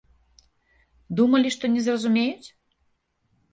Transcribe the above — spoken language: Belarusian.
Думалі, што не зразумеюць?